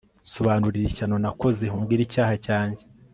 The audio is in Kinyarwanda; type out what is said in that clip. nsobanurira ishyano nakoze, umbwire icyaha cyanjye